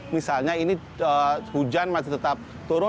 misalnya ini hujan masih tetap turun